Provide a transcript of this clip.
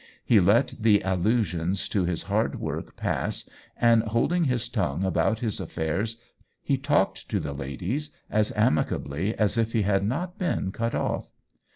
He let the allusions to his hard work pass and, holding his tongue about his affairs, talked to the ladies as amicably as if he had not been " cut off."